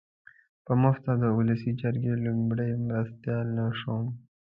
په مفته د اولسي جرګې لومړی مرستیال نه شوم.